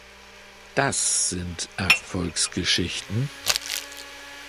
Das sind Erfolgsgeschichten!